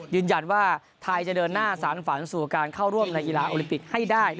ยืนยันว่าไทยจะเดินหน้าสารฝันสู่การเข้าร่วมในกีฬาโอลิมปิกให้ได้